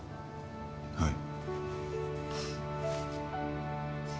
はい。